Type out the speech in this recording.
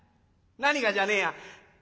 何がじゃねえや。